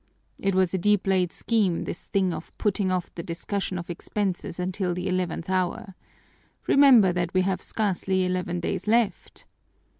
"It was a deep laid scheme, this thing of putting off the discussion of expenses until the eleventh hour. Remember that we have scarcely eleven days left."